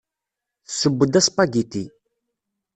Tesseww-d aspagiti.